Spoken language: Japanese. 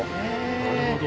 なるほど。